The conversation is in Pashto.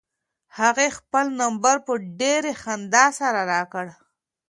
هغې خپل نمبر په ډېرې خندا سره راکړ.